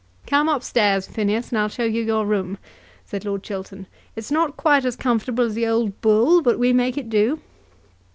"Come upstairs, Phineas, and I'll show you your room," said Lord Chiltern. "It's not quite as comfortable as the old 'Bull,' but we make it do."